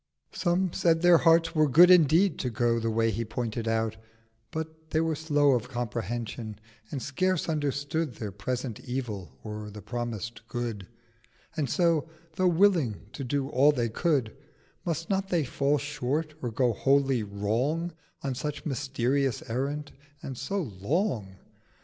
Some said their Hearts were good indeed to go The Way he pointed out: but they were slow Of Comprehension, and scarce understood Their present Evil or the promised Good: And so, tho' willing to do all they could, 640 Must not they fall short, or go wholly wrong, On such mysterious Errand, and so long?